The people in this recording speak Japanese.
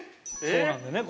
そうなんだよね。